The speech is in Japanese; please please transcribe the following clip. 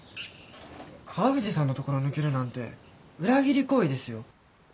川藤さんのところ抜けるなんて裏切り行為ですよ。